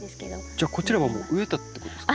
じゃあこちらは植えたってことですか？